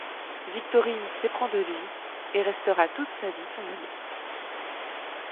Victorine s'éprend de lui et restera toute sa vie son ami.